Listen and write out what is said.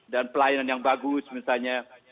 dan pelayanan yang bagus misalnya